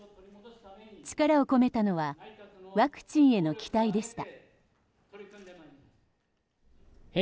力を込めたのはワクチンへの期待でした。